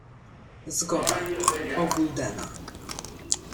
"„Zgoda: o guldena."